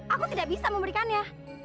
aku tidak bisa memberikannya